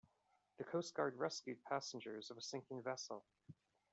The coast guard rescued passengers of a sinking vessel.